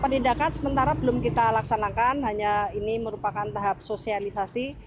penindakan sementara belum kita laksanakan hanya ini merupakan tahap sosialisasi